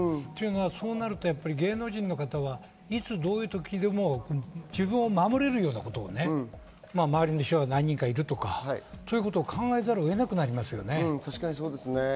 そうなると芸能人の方は、いつどういう時でも自分を守れるようなことを周りに人が何人かいるとか、そういうことを考えざるを得なくなりますよね。